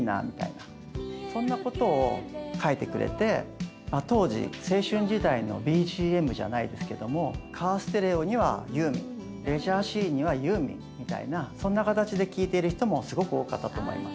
そんなことを書いてくれてまあ当時青春時代のＢＧＭじゃないですけどもカーステレオにはユーミンレジャーシーンにはユーミンみたいなそんな形で聴いてる人もすごく多かったと思います。